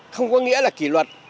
không có nghĩa là kỷ luật